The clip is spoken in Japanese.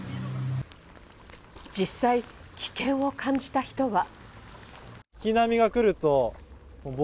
実際、危険を感じた人は。